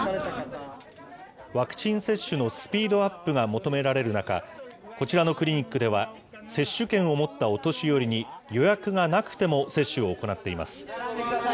ワクチン接種のスピードアップが求められる中、こちらのクリニックでは、接種券を持ったお年寄りに、予約がなくても接種を行っています。